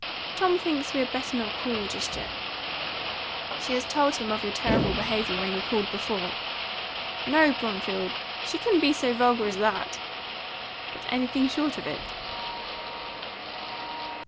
"Tom thinks we had better not call, just yet." "She has told him of your terrible behaviour when you called before?" "No, Bromfield! She couldn't be so vulgar as that?" "But anything short of it?"